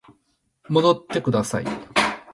戻ってください